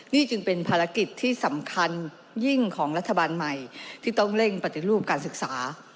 นี่จึงเป็นภารกิจที่สำคัญยิ่งของรัฐบาลใหม่ที่ต้องเร่งปฏิรูปการศึกษา